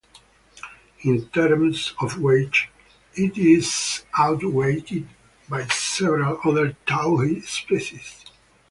In terms of weight, it is outweighed by several other towhee species.